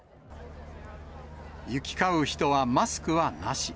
行き交う人はマスクはなし。